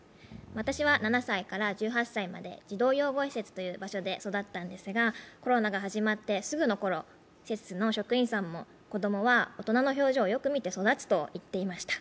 私は７歳から１８歳まで児童養護施設という場所で育ったんですが、コロナが始まってすぐのころ、施設の職員さんも子供は大人の表情をよく見て育つと言っていました。